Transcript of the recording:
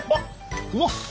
うわっ！